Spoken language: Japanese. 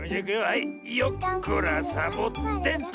はいよっこらサボテンと。